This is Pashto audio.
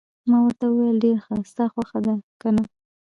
ما ورته وویل: ډېر ښه، ستا خوښه ده، که نه؟